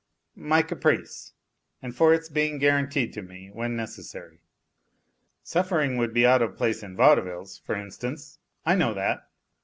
. my caprice, and for its being guaranteed to me when necessary. Suffering would be out of place in vaudevilles, for instance; I know that.